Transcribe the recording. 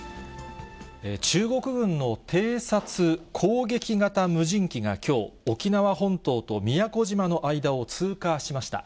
中国軍の偵察・攻撃型無人機がきょう、沖縄本島と宮古島の間を通過しました。